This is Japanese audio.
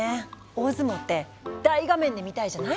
大相撲って大画面で見たいじゃない？